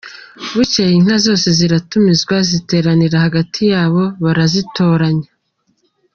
Bukeye inka zose ziratumizwa, ziteranira hagati yabo, barazitoranya.